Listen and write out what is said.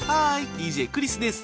ＤＪクリスです。